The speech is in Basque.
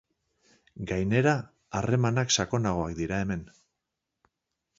Gainera, harremanak sakonagoak dira hemen.